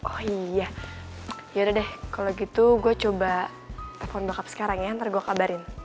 oh iya yaudah deh kalau gitu gue coba telepon backup sekarang ya ntar gue kabarin